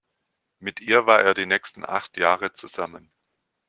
Mit ihr war er die nächsten acht Jahre zusammen.